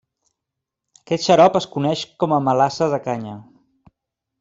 Aquest xarop es coneix com a melassa de canya.